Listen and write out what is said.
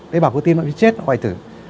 đấy bảo cơ tim nó bị chết hoài thử